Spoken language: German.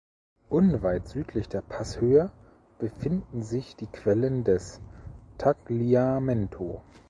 Unweit südlich der Passhöhe befinden sich die Quellen des Tagliamento.